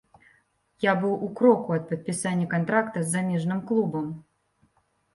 Я быў у кроку ад падпісання кантракта з замежным клубам.